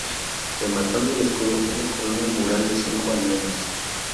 Rematando el escudo, una corona mural de cinco almenas.